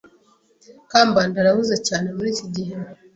Kambanda arahuze cyane muriki gihe.